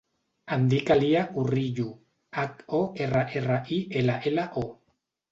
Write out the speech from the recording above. Em dic Alia Horrillo: hac, o, erra, erra, i, ela, ela, o.